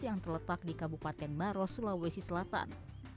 yang terletak di kabupaten maros sulawesi selatan